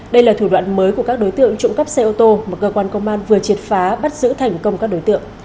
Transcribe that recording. đây là thủ đoạn mới của các đối tượng trộm cắp xe ô tô mà cơ quan công an vừa triệt phá bắt giữ thành công các đối tượng